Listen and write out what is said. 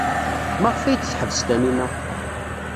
Maɣef ay d-teḥbes Taninna?